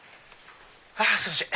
あ涼しい！